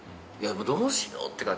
どうしようって感じ。